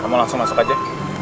kamu langsung masuk aja